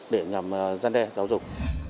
để nhằm gian đe giáo dục